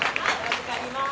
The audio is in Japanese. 預かります。